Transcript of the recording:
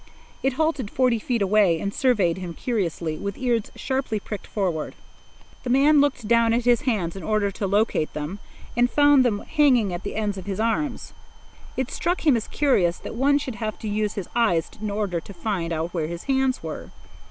It halted forty feet away and surveyed him curiously, with ears sharply pricked forward. The man looked down at his hands in order to locate them, and found them hanging on the ends of his arms. It struck him as curious that one should have to use his eyes in order to find out where his hands were.